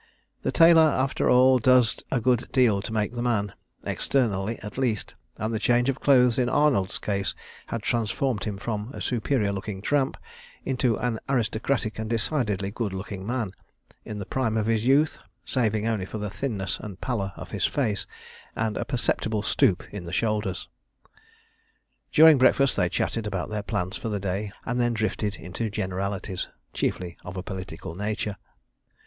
The tailor, after all, does a good deal to make the man, externally at least, and the change of clothes in Arnold's case had transformed him from a superior looking tramp into an aristocratic and decidedly good looking man, in the prime of his youth, saving only for the thinness and pallor of his face, and a perceptible stoop in the shoulders. During breakfast they chatted about their plans for the day, and then drifted into generalities, chiefly of a political nature.